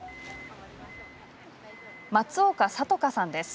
松岡里圭さんです。